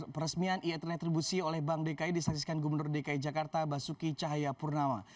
peresmian e retribusi oleh bank dki disaksikan gubernur dki jakarta basuki cahaya purnama